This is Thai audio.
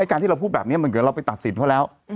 การที่เราพูดแบบนี้มันเกิดเราไปตัดสินเขาแล้ว